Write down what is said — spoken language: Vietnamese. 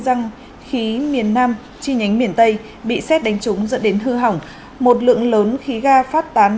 răng khí miền nam chi nhánh miền tây bị xét đánh trúng dẫn đến hư hỏng một lượng lớn khí ga phát tán